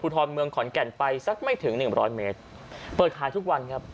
ทรเมืองขอนแก่นไปสักไม่ถึงหนึ่งร้อยเมตรเปิดขายทุกวันครับ